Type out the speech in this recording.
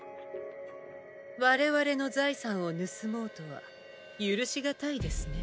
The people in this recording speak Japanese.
我々の財産を盗もうとは許しがたいですね。